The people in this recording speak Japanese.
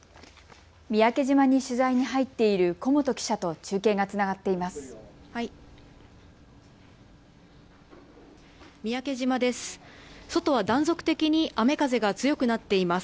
三宅島に取材に入っている古本記者と中継がつながっています。